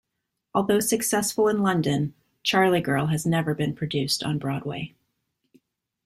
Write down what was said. Although successful in London, "Charlie Girl" has never been produced on Broadway.